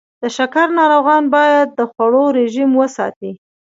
د شکر ناروغان باید د خوړو رژیم وساتي.